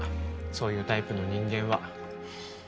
そういうタイプの人間は。